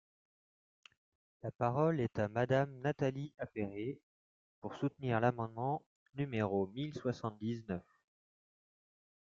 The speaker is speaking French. La parole est à Madame Nathalie Appéré, pour soutenir l’amendement numéro mille soixante-dix-neuf.